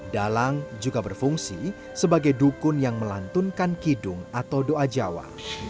dalang juga berfungsi sebagai dukun yang melantunkan kidung atau doa jawa